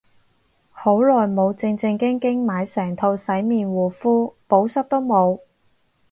好耐冇正正經經買成套洗面護膚，補濕都冇